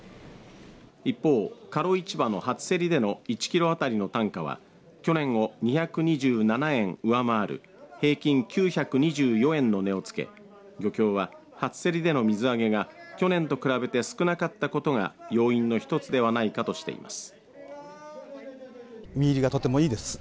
一方、賀露市場の初競りでの１キロあたりの単価は去年を２２７円上回る平均９２４円の値をつけ漁協は、初競りでの水揚げが去年と比べて少なかったことが要因の一つではないかとしています。